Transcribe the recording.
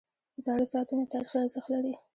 • زاړه ساعتونه تاریخي ارزښت لري.